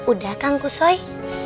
udah kang kusoy